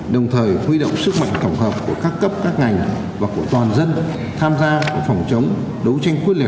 đồng thời huy động sức mạnh tổng hợp của các cấp các ngành và của toàn dân tham gia phòng chống đấu tranh quyết liệt